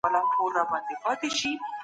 نړيواله ټولنه څه وايي؟